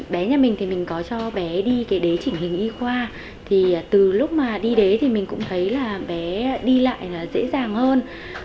bé nhà mình thì mình có cho bé đi cái đế chỉnh hình y khoa thì từ lúc mà đi đến thì mình cũng thấy là bé đi lại là dễ dàng hơn